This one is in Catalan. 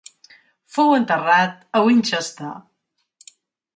Fou enterrat a Winchester.